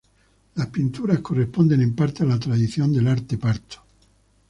Las pinturas corresponden en parte a la tradición del arte parto.